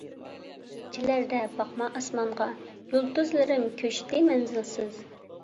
كېچىلەردە باقما ئاسمانغا، يۇلتۇزلىرىم كۆچتى مەنزىلسىز.